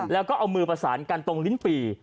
แล้วก็เอามือประสานกันตรงลิ้นปี่